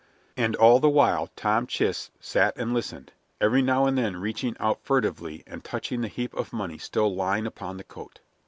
And all the while Tom Chist sat and listened, every now and then reaching out furtively and touching the heap of money still lying upon the coat.